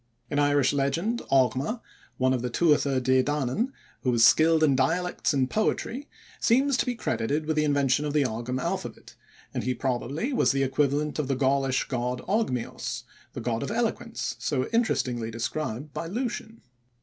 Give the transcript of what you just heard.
In Irish legend Ogma, one of the Tuatha De Danann who was skilled in dialects and poetry, seems to be credited with the invention of the Ogam alphabet, and he probably was the equivalent of the Gaulish god Ogmios, the god of eloquence, so interestingly described by Lucian.